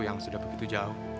yang sudah begitu jauh